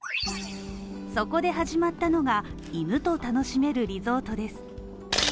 そこで始まったのが、犬と楽しめるリゾートです。